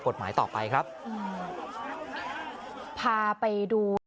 พาไปดู